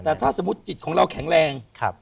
แต่ถ้าสมมุติจิตของเราแข็งแรง